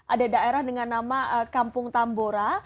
ada daerah dengan nama kampung tambora